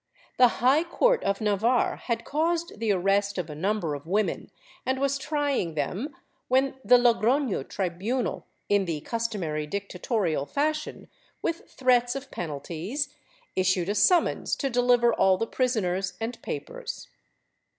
The high court of Navarre had caused the arrest of a number of women and was trying them, when the Logrono tribunal, in the customary dictatorial fashion with threats of penalties, issued a summons to deliver all the prisoners and papers.